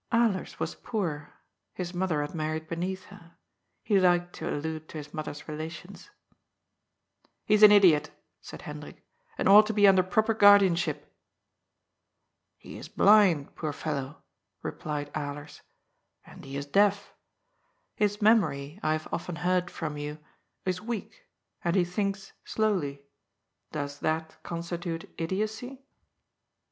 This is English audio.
Alers was poor. His mother had married beneath her. He liked to allude to his mother's relations. " He is an idiot," said Hendrik, " and ought to be under proper guardianship." " He is blind, poor fellow," replied Alers. " And he is deaf. His memory, I have often heard from you, is weak, and he thinks slowly. Does that constitute idiocy ?" 126 GOD'S POOL.